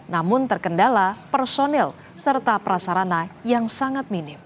namun terkendala personil serta prasarana yang sangat minim